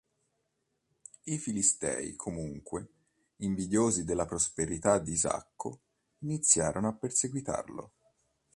I Filistei comunque, invidiosi della prosperità di Isacco, iniziarono a perseguitarlo.